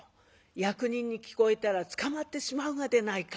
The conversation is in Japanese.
役人に聞こえたら捕まってしまうがでないか」。